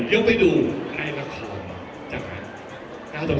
เสียงปลดมือจังกัน